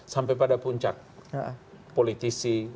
sampai pada puncak politisi